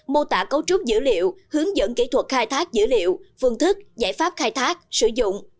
mô tả cấu trúc dữ liệu hướng dẫn kỹ thuật khai thác dữ liệu phương thức giải pháp khai thác sử dụng